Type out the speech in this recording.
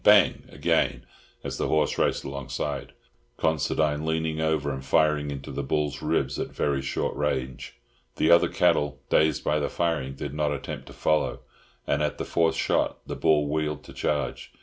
bang! again, as the horse raced alongside, Considine leaning over and firing into the bull's ribs at very short range. The other cattle, dazed by the firing, did not attempt to follow, and at the fourth shot the bull wheeled to charge.